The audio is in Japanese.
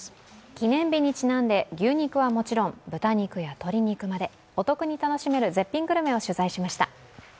記念日にちなんで牛肉はもちろん、豚肉や鶏肉までお得に楽しめる絶品グルメを取材しました。